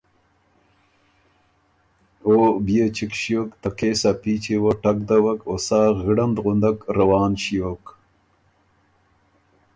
او بيې چِګ ݭیوک ته کېس ا پیچي وه ټک دوَک او سا غِړند غُندک روان ݭیوک۔